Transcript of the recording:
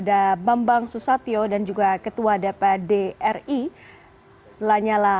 dan ini adalah komplek gedung nusantara di area dalam di mana presiden dan ibu negara masuk ke dalam gedung nusantara